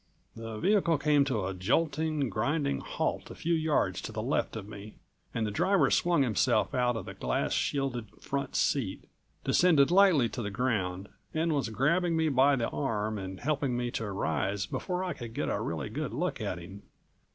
The vehicle came to a jolting, grinding halt a few yards to the left of me, and the driver swung himself out of the glass shielded front seat, descended lightly to the ground, and was grabbing me by the arm and helping me to rise before I could get a really good look at him.